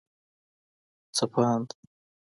ځپاند